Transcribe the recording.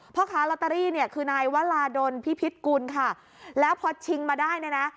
พ่อค้าลอตเตอรี่เนี่ยคือนายวราดลพิพิษกุลค่ะแล้วพอชิงมาได้เนี่ยนะ